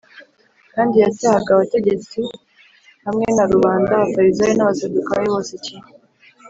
; kandi yacyahaga abategetsi hamwe na rubanda, Abafarisayo n’Abasadukayo bose kimwe